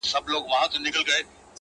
خو زموږ اخترونه، ستړیا